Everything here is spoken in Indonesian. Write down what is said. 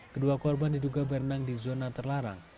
kedua korban diduga berenang di zona terlarang